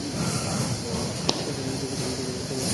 পাঞ্চালরাজ দ্রুপদ একজন প্রবল-পরাক্রান্ত নরপতি ছিলেন।